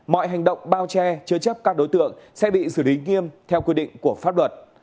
mọi hành động bao che chứa chấp các đối tượng sẽ bị xử lý nghiêm theo quy định của pháp luật